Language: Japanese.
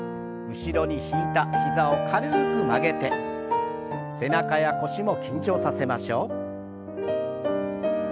後ろに引いた膝を軽く曲げて背中や腰も緊張させましょう。